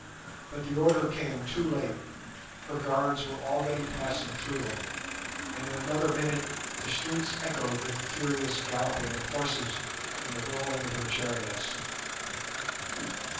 But the order came too late, her guards were already passing through them, and in another minute the streets echoed with the furious galloping of horses and the rolling of her chariots.